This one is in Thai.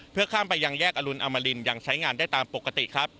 เพื่อข้ามไปยังแยกอรุณอมรินยังใช้งานได้ตามปกติครับ